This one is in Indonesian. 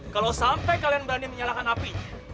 kalau sampai kalian berani menyalakan api